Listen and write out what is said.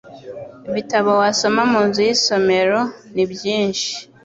bitabo wasoma mu nzu y'isomero. Ni byinshi